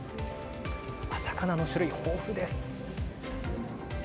お魚の種類豊富です。